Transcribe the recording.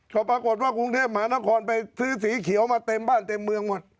ก็ปรากฏว่ากรุงเทพมหานครไปซื้อสีเขียวมาเต็มบ้านเต็มเมืองหมด